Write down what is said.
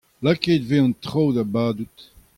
Lakaet e vez an traoù da badout.